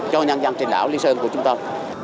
cho nhân dân trên đảo lý sơn của chúng tôi